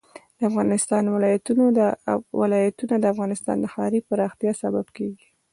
د افغانستان ولايتونه د افغانستان د ښاري پراختیا سبب کېږي.